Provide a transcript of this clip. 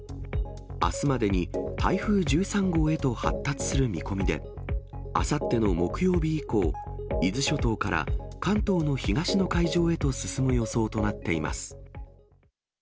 あすまでに台風１３号へと発達する見込みで、あさっての木曜日以降、伊豆諸島から関東の東の海上へと進む予想となっています。